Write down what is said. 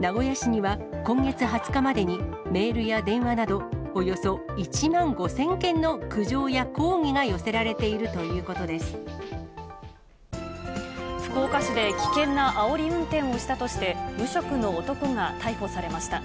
名古屋市には今月２０日までに、メールや電話などおよそ１万５０００件の苦情や抗議が寄せら福岡市で危険なあおり運転をしたとして、無職の男が逮捕されました。